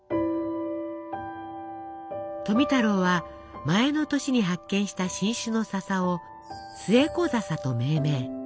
富太郎は前の年に発見した新種のささをスエコザサと命名。